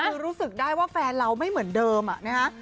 คือรู้สึกได้ว่าแฟนเราไม่เหมือนเดิมอะนะฮะ